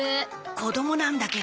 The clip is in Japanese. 子供なんだけど。